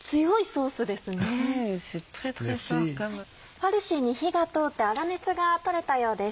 ファルシーに火が通って粗熱が取れたようです。